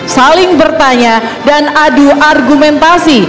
saling bertanya dan adu argumentasi